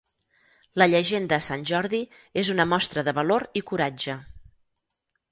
La llegenda Sant Jordi és una mostra de valor i coratge.